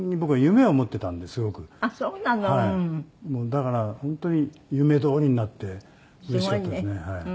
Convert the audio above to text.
だから本当に夢どおりになってうれしかったですねはい。